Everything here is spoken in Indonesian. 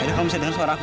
aik tadi culik